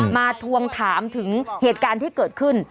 ทวงถามถึงเหตุการณ์ที่เกิดขึ้น